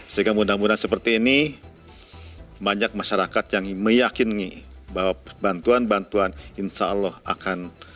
sehingga mudah mudahan seperti ini banyak masyarakat yang meyakini bahwa bantuan bantuan insya allah akan